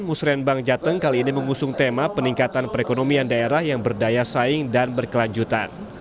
musrembang jateng kali ini mengusung tema peningkatan perekonomian daerah yang berdaya saing dan berkelanjutan